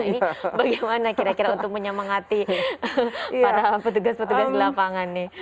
ini bagaimana kira kira untuk menyemangati para petugas petugas di lapangan nih